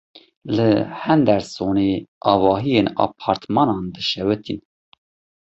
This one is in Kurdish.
Li Hendersonê avahiyên apartmanan dişewitin.